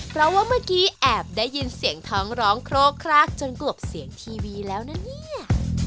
เพราะว่าเมื่อกี้แอบได้ยินเสียงท้องร้องโครกครากจนเกือบเสียงทีวีแล้วนะเนี่ย